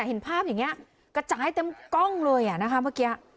เห็นภาพอย่างนี้กระจายเต็มกล้องเลยอ่ะนะคะเมื่อกี้